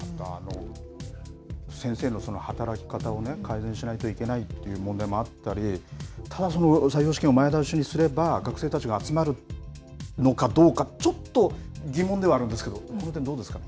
先生の働き方を改善しないといけないっていう問題もあったり、ただその、採用試験を前倒しすれば、学生たちが集まるのかどうか、ちょっと疑問ではあるんですけど、この点どうですか。